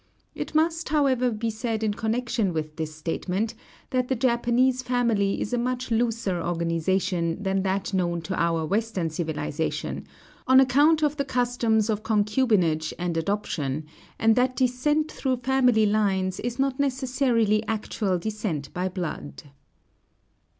It must, however, be said in connection with this statement, that the Japanese family is a much looser organization than that known to our Western civilization, on account of the customs of concubinage and adoption, and that descent through family lines is not necessarily actual descent by blood.